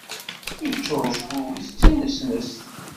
Yeččur ucebbub-is d tinesnest.